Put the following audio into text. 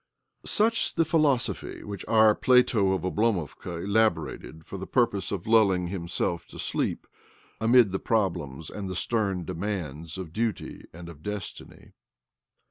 ~5ucir the philosophy which our Plato of Oblomovka elaborated for the purpose of lulling himself to sleep amid the problems and the stern demands of duty and of destiny.